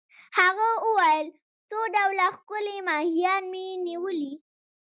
هغه وویل: څو ډوله ښکلي ماهیان مي نیولي.